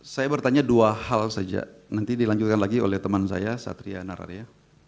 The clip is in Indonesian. saya bertanya dua hal saja nanti dilanjutkan lagi oleh teman saya satria nararia